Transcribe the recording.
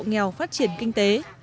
hộ nghèo phát triển kinh tế